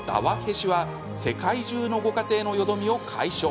し」は世界中のご家庭のよどみを解消。